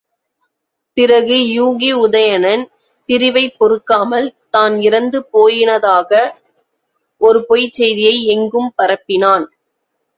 பிறகு யூகி உதயணன் பிரிவைப் பொறுக்காமல் தான் இறந்து போயினதாக ஒரு பொய்ச் செய்தியை எங்கும் பரப்பினான்.